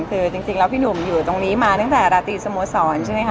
คือจริงแล้วพี่หนุ่มอยู่ตรงนี้มาตั้งแต่ราตรีสโมสรใช่ไหมคะ